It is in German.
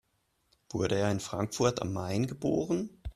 Wurde er in Frankfurt am Main geboren?